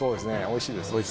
おいしいですよね